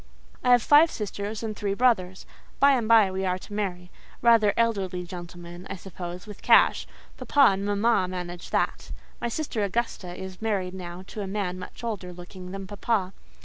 I have five sisters and three brothers. By and by we are to marry—rather elderly gentlemen, I suppose, with cash: papa and mamma manage that. My sister Augusta is married now to a man much older looking than papa.